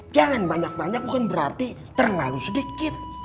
jangan banyak banyak mungkin berarti terlalu sedikit